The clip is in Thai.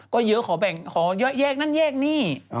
ก็เยอะขอแบ่งขอเยอะแยกนั่นแยกนี่